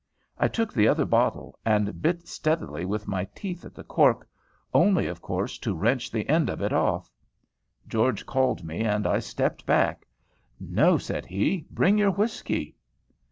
I took the other bottle, and bit steadily with my teeth at the cork, only, of course, to wrench the end of it off. George called me, and I stepped back. "No," said he, "bring your whiskey."